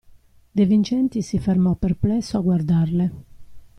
De Vincenti si fermò perplesso a guardarle.